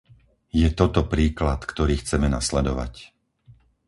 Je toto príklad, ktorý chceme nasledovať?